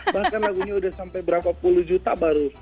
bahkan lagunya udah sampai berapa puluh juta baru